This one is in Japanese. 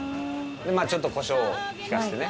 まあちょっとコショウを効かせてね。